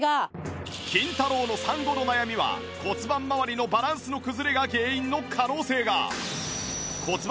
キンタロー。の産後の悩みは骨盤まわりのバランスの崩れが原因の可能性が